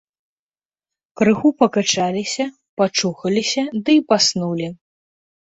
Крыху пакачаліся, пачухаліся ды і паснулі.